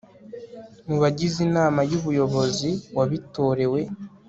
mu bagize inama y'ubuyobozi wabitorewe